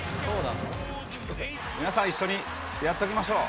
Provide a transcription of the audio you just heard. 皆さん、一緒にやっときましょう。